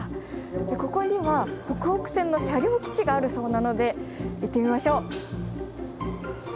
ここにはほくほく線の車両基地があるそうなので行ってみましょう。